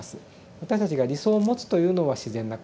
私たちが理想を持つというのは自然なこと。